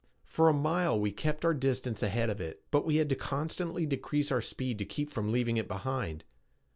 For a mile we kept our distance ahead of it, but we had to constantly decrease our speed to keep from leaving it behind.